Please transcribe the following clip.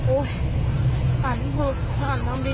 อุ๊ยอ่านรถอ่านน้ำดี